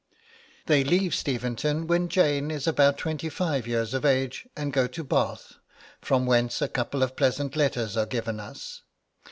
They leave Steventon when Jane is about twenty five years of age and go to Bath, from whence a couple of pleasant letters are given us.